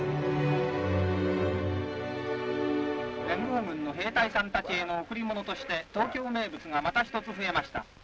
「連合軍の兵隊さんたちへの贈り物として東京名物がまた一つ増えました。